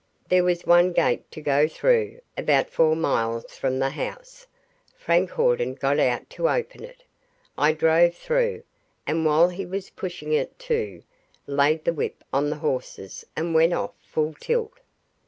There was one gate to go through, about four miles from the house. Frank Hawden got out to open it. I drove through, and while he was pushing it to, laid the whip on the horses and went off full tilt.